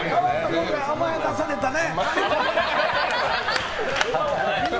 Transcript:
甘やかされたね。